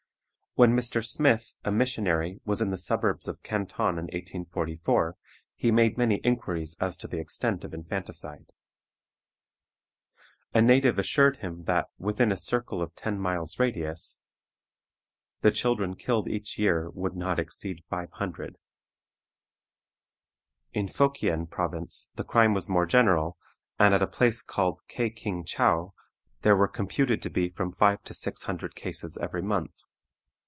When Mr. Smith, a missionary, was in the suburbs of Canton in 1844, he made many inquiries as to the extent of infanticide. A native assured him that, within a circle of ten miles' radius, the children killed each year would not exceed five hundred. In Fokien province the crime was more general, and at a place called Kea King Chow there were computed to be from five to six hundred cases every month.